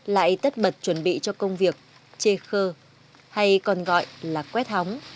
lại tất bật chuẩn bị cho công việc chê khơ hay còn gọi là quét hóng